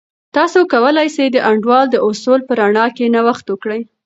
تاسې کولای سئ د انډول د اصولو په رڼا کې نوښت وکړئ.